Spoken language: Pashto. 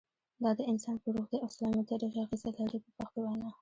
دا د انسان پر روغتیا او سلامتیا ډېره اغیزه لري په پښتو وینا.